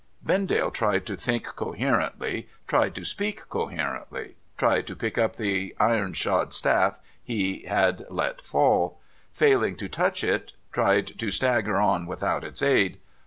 Vendale tried to think coherently, tried to speak coherently, tried to pick up the iron shod staff he had let fall ; failing to touch it, tried to stagger on without its aid.